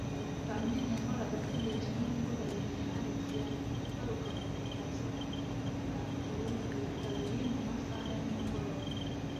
Carmen yahoraga ategereje nimugoroba igihe Alex yagarukaga ku kazi, ariko yorohewe kabiri mu masaha ya nimugoroba.